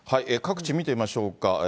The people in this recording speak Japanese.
各地見てみましょうか。